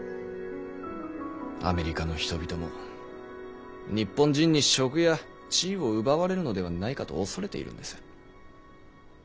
アメリカの人々も日本人に職や地位を奪われるのではないかと恐れているんです。